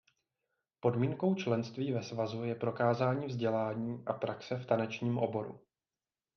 Podmínkou členství ve svazu je prokázání vzdělání a praxe v tanečním oboru.